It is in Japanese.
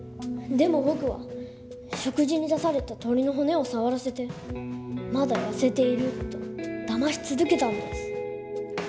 でも僕は食事に出された鶏の骨を触らせてまだ痩せているとだまし続けたんです。